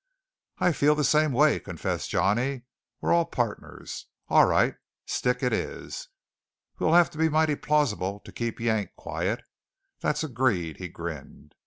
"I feel the same way," confessed Johnny. "We're all partners. All right; 'stick' it is. We'll have to be mighty plausible to keep Yank quiet. That's agreed," he grinned.